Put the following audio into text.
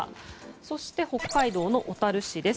そして北海道の小樽市です。